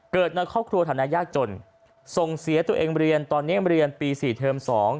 เกิดในครอบครัวฐานายากจนทรงเสียตัวเองเมืองตอนนี้ที่เข้าเรียนปี๔เทิม๒